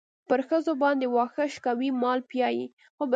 پر ښځو باندې واښه شکوي مال پيايي.